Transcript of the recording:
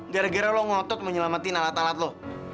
gara gara lu ngotot menyelamatin alat alat lu